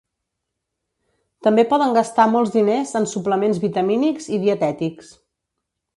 També poden gastar molts diners en suplements vitamínics i dietètics.